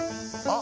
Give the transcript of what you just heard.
あ！